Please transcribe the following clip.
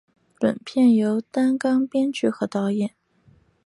本片由担纲编剧和导演。